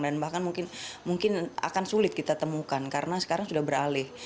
dan bahkan mungkin akan sulit kita temukan karena sekarang sudah beralih